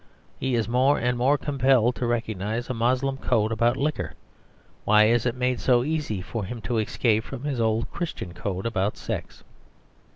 He is more and more compelled to recognise a Moslem code about liquor; why is it made so easy for him to escape from his old Christian code about sex?